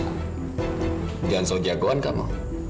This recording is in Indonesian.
jangan sok jagoan kamu